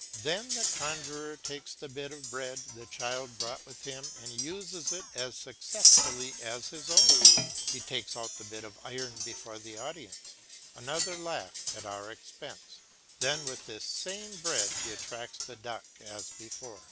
Then the conjuror takes the bit of bread the child brought with him and uses it as successfully as his own. He takes out the bit of iron before the audience another laugh at our expense then with this same bread he attracts the duck as before.